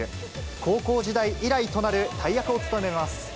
高校時代以来となる大役を務めます。